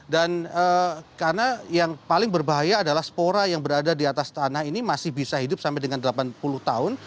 dan karena yang paling berbahaya adalah spora yang berada di atas tanah ini masih bisa hidup sampai dengan delapan puluh tahun